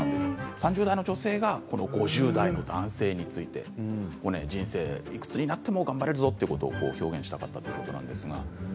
３０代の女性が５０代の男性について人生いくつになっても頑張れるということを表現したかったそうです。